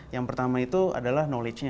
yang pertama itu adalah knowledge nya